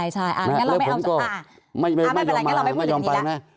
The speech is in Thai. แล้วผมไม่ลงไปนะ